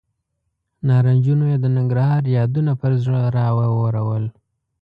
نارنجونو یې د ننګرهار یادونه پر زړه راورول.